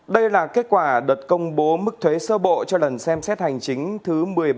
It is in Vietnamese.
đây là kết quả đợt công bố mức thuế sơ bộ cho lần xem xét hành chính thứ một mươi ba